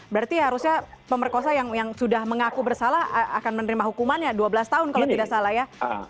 berarti harusnya pemerkosa yang sudah mengaku bersalah akan menerima hukumannya dua belas tahun kalau tidak salah ya